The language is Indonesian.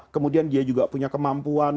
kemudian dia juga punya kemampuan